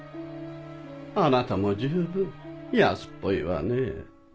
あなたも十分安っぽいわね。